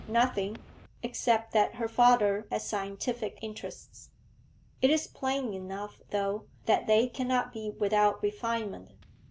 'Nothing, except that her father has scientific interests. It is plain enough, though, that they cannot be without refinement.